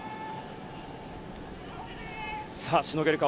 しのげるか。